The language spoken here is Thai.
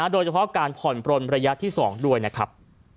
โดยเฉพาะการผ่อนปลนระยะที่๒ด้วยนะครับ